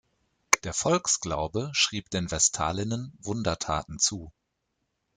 Der Volksglaube schrieb den Vestalinnen Wundertaten zu.